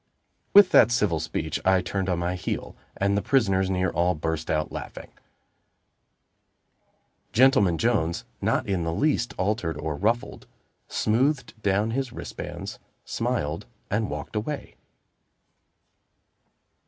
With that civil speech, I turned on my heel; and the prisoners near all burst out laughing. Gentleman Jones, not in the least altered or ruffled, smoothed down his wristbands, smiled, and walked away.